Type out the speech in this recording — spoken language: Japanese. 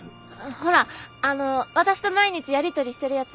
ほらあの私と毎日やり取りしてるやつ。